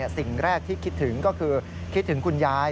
สิ่งแรกที่คิดถึงก็คือคิดถึงคุณยาย